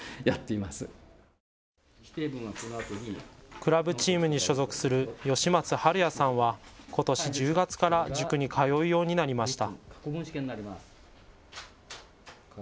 クラブチームに所属する吉松晴哉さんはことし１０月から塾に通うようになりました。